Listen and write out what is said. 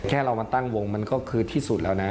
แค่เรามาตั้งวงมันก็คือที่สุดแล้วนะ